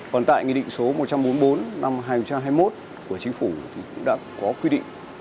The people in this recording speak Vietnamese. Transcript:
còn tại nghị định số một trăm bốn mươi bốn năm hai nghìn hai mươi một của chính phủ thì cũng đã có quy định